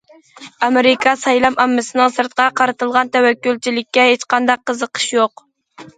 ئامېرىكا سايلام ئاممىسىنىڭ سىرتقا قارىتىلغان تەۋەككۈلچىلىككە ھېچقانداق قىزىقىشى يوق.